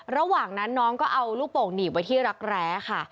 ระหว่างนั้นน้องก็เอาลูกโป่งหนีบไว้ที่รักแร้ค่ะ